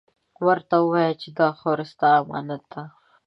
ورته ووایه چې دا خاوره ، ستا امانت ده.